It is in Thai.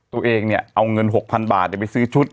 ตัวเองเนี่ยเอาเงิน๖๐๐๐บาทไปซื้อชุด